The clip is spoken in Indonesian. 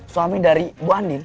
suami dari bu andin